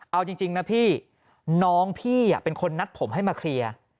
เอาจริงนะพี่น้องพี่เป็นคนนัดผมให้มาเคลียร์